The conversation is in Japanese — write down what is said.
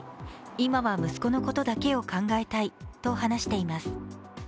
今は息子のことだけを考えたいと話しています。